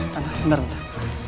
bentar bentar bentar